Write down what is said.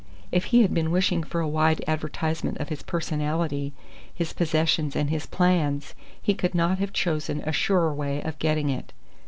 If he had been wishing for a wide advertisement of his personality, his possessions, and his plans, he could not have chosen a surer way of getting it.